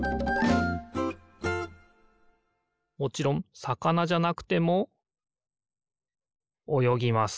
もちろんさかなじゃなくてもおよぎます